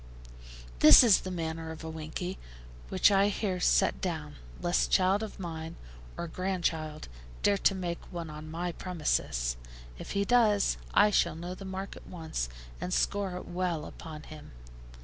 This is the manner of a 'winkey,' which I here set down, lest child of mine, or grandchild, dare to make one on my premises; if he does, I shall know the mark at once, and score it well upon him.